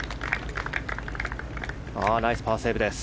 ナイスパーセーブです。